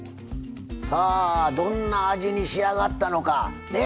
どんな味に仕上がったのか。